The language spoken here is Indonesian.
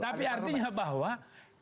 tapi artinya bahwa ketiga